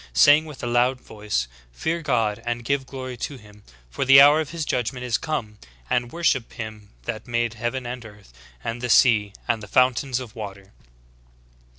Saying with a loud voice. Fear God, and give glory to him; for the hour of His judgment is come; and worship Him that made heaven and earth, and the sea, and the fountains of water."